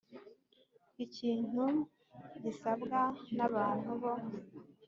Ikintu gisabwa n abantu bo